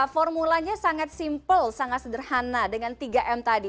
formulanya sangat simpel sangat sederhana dengan tiga m tadi